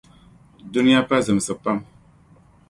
Duniya pa zimsi pam.